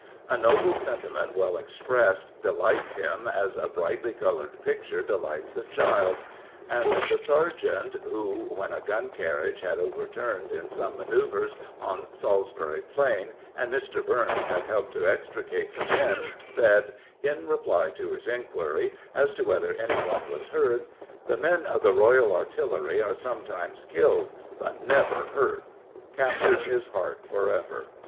A noble sentiment well expressed delights him as a brightly coloured picture delights a child, and the sergeant who, when a gun carriage had overturned in some man^uvres on Salisbury Plain and Mr. Burns had helped to extricate the men, said, in reply to his inquiry as to whether anyone was hurt, The men of the Royal Artillery are sometimes killed, but never hurt," captured his heart for ever.